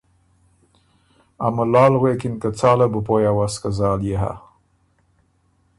ا ملال غوېکِن که ”څاله بُو پویٛ اوَس که زال يې هۀ۔؟“